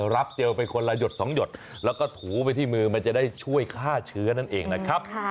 เจลไปคนละหยด๒หยดแล้วก็ถูไปที่มือมันจะได้ช่วยฆ่าเชื้อนั่นเองนะครับ